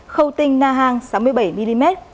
khâu tinh nà hàng sáu mươi bảy mm